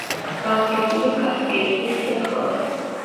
განლაგებულია კასპიის ზღვის სიახლოვეს.